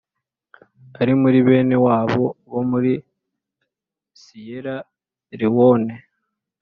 ari muri bene wabo bo muri Siyera Lewone